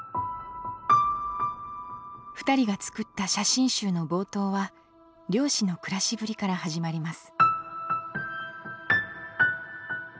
２人が作った写真集の冒頭は漁師の暮らしぶりから始まります。